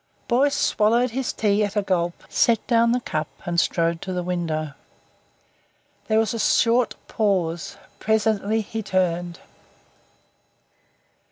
Boyce swallowed his tea at a gulp, set down the cup, and strode to the window. There was a short pause. Presently he turned.